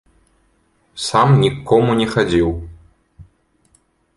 Сам ні к кому не хадзіў.